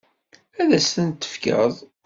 Ad as-tent-tefkeḍ?